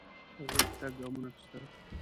هغې چټک ګامونه اخیستل.